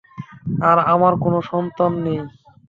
আর আমার কোন সন্তান নেই।